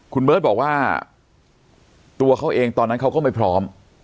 คุณเบิร์ตบอกว่าตัวเขาเองตอนนั้นเขาก็ไม่พร้อม